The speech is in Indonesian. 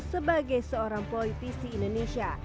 sebagai seorang politisi indonesia